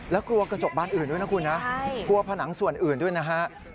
แล้วกลัวกระจกบานอื่นด้วยนะคุณนะกลัวผนังส่วนอื่นด้วยนะฮะ